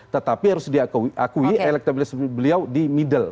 tetapi harus diakui elektabilitas beliau di middle